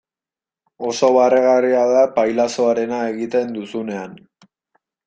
Oso barregarria da pailazoarena egiten duzunean.